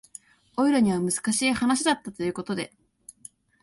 オイラには難しい話だったということで